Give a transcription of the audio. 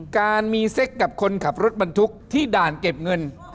การมีเซ็กกับคนขับรถบรรทุกที่ด่านเก็บเงิน